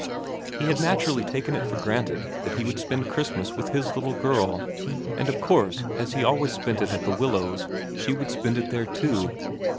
He had naturally taken it for granted that he would spend Christmas with his little girl, and of course as he always spent it at The Willows she would spend it there too.